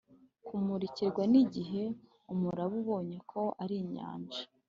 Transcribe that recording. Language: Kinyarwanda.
kumurikirwa ni igihe umuraba ubonye ko ari inyanja.